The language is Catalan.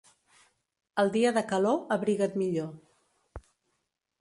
El dia de calor, abriga't millor.